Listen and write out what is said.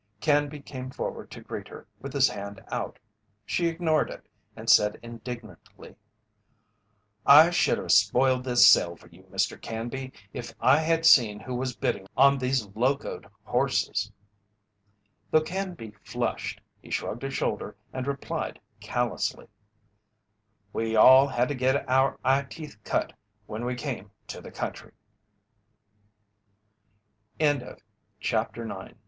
Canby came forward to greet her, with his hand out. She ignored it and said indignantly: "I should have spoiled this sale for you, Mr. Canby, if I had seen who was bidding on these locoed horses." Though Canby flushed, he shrugged a shoulder and replied callously: "We all had to get our eyeteeth cut when we came to the country." CHAPTER X THE BEST PULLING TEAM IN THE STATE Leading the cow, a